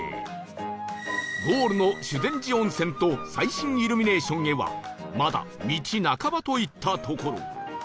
ゴールの修善寺温泉と最新イルミネーションへはまだ道半ばといったところ